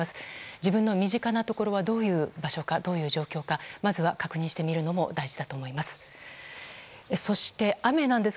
自分の身近なところはどういう状況か確認してみるのも大事だと思います。